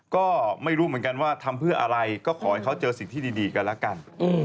ก็ไม่รู้เหมือนกันว่าทำเพื่ออะไรก็ขอให้เขาเจอสิ่งที่ดีกันแล้วกัน